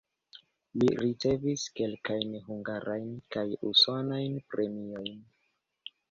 Li ricevis kelkajn hungarajn kaj usonajn premiojn.